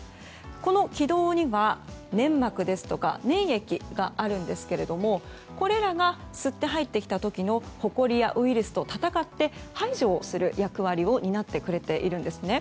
この気道には粘膜ですとか粘液があるんですがこれらが吸って入ってきた時のほこりやウイルスと闘って、排除をする役割を担っているんですね。